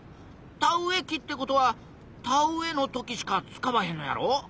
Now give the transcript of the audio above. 田植え機ってことは田植えの時しか使わへんのやろ？